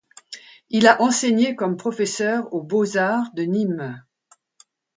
Il a enseigné comme professeur aux Beaux Arts de Nîmes.